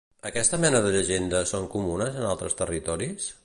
Aquesta mena de llegendes són comunes en altres territoris?